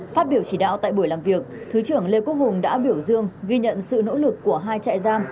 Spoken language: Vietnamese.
phát biểu chỉ đạo tại buổi làm việc thứ trưởng lê quốc hùng đã biểu dương ghi nhận sự nỗ lực của hai trại giam